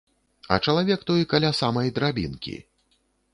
А чалавек той каля самай драбінкі.